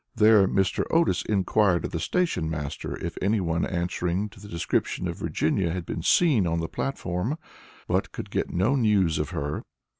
There Mr. Otis inquired of the station master if anyone answering to the description of Virginia had been seen on the platform, but could get no news of her.